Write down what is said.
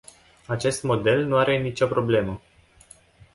Acest model nu are nicio problemă.